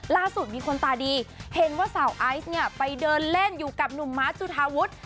ล่าสุดมีคนตาดีเห็นว่าสาวไอซ์เนี่ยไปเดินเล่นอยู่กับหนุ่มมาสจุธาวุฒิ